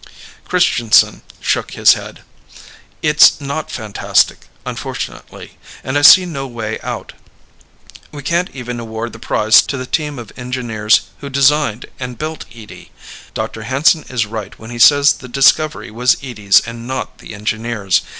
Christianson shook his head. "It's not fantastic, unfortunately. And I see no way out. We can't even award the prize to the team of engineers who designed and built Edie. Dr. Hanson is right when he says the discovery was Edie's and not the engineers'.